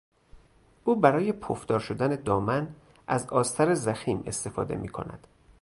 او برای پفدار شدن دامن از آستر ضخیم استفاده میکند.